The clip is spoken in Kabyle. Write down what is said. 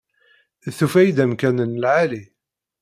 Tufa-yi-d amkan n lɛali.